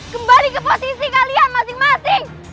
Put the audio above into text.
kembali ke posisi kalian masing masing